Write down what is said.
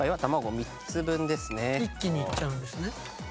一気にいっちゃうんですね。